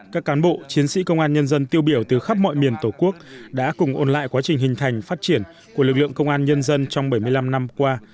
các cán bộ chiến sĩ công an nhân dân tiêu biểu từ khắp mọi miền tổ quốc đã cùng ôn lại quá trình hình thành phát triển của lực lượng công an nhân dân trong bảy mươi năm năm qua